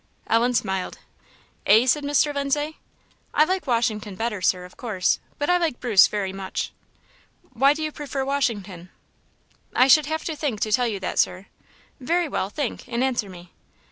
Ellen smiled. "Eh?" said Mr. Lindsay. "I like Washington better, Sir, of course; but I like Bruce very much." "Why do you prefer Washington?" "I should have to think to tell you that, Sir." "Very well, think, and answer me."